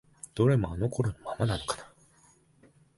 どれもあの頃のままなのかな？